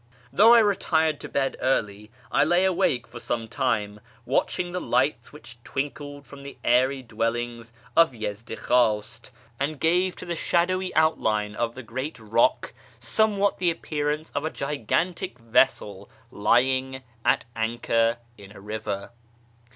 Though I retired to bed early, I lay awake for some time watching the lights which twinkled from the airy dwellings of Yezdikhwast and gave to the shadowy outline of the great A ]V:AA' AAWNGSr THE PERSIANS rock soinewliat the appearance of a gigantic vessel lying at anchor in a river.